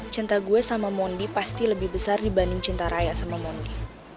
cinta gue sama mondi pasti lebih besar dibanding cinta raya sama mondi